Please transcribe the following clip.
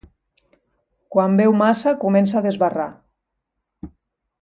Quan beu massa comença a desbarrar.